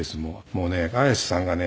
もうね綾瀬さんがね